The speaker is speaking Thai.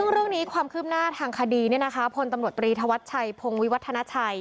เรื่องนี้ความคืบหน้าทางคดีพลตำรวจตรีธวัชชัยพงวิวัฒนาชัย